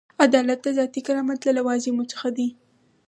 عدالت د ذاتي کرامت له لوازمو څخه دی.